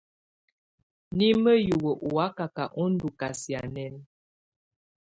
Nimǝ́ hiwǝ ɔ́ wakaka ɔ́ ndɔ́ kasianɛna.